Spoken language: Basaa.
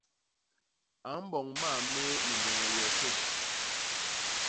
A mboñ mam méé ni ñgeñel yosô.